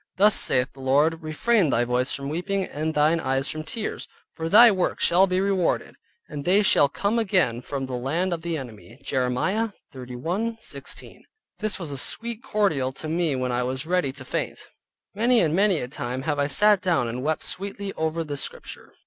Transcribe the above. "Thus saith the Lord, refrain thy voice from weeping, and thine eyes from tears, for thy work shall be rewarded, and they shall come again from the land of the enemy" (Jeremiah 31.16). This was a sweet cordial to me when I was ready to faint; many and many a time have I sat down and wept sweetly over this Scripture.